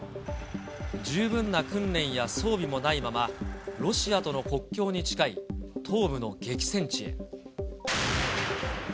十分な訓練や装備もないまま、ロシアとの国境に近い東部の激戦地へ。